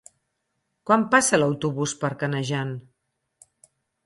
Quan passa l'autobús per Canejan?